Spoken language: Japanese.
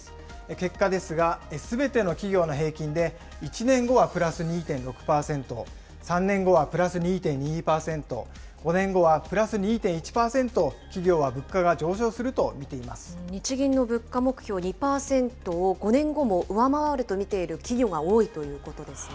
結果ですが、すべての企業の平均で、１年後はプラス２．６％、３年後はプラス２．２％、５年後はプラス２．１％、企業は物価が上日銀の物価目標２％を５年後も上回ると見ている企業が多いということですね。